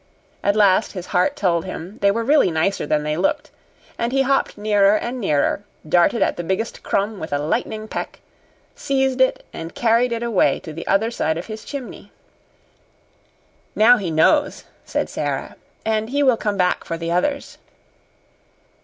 At last his heart told him they were really nicer than they looked, and he hopped nearer and nearer, darted at the biggest crumb with a lightning peck, seized it, and carried it away to the other side of his chimney. "Now he KNOWS", said Sara. "And he will come back for the others."